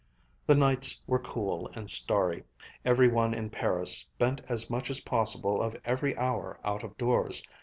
The nights were cool and starry. Every one in Paris spent as much as possible of every hour out of doors.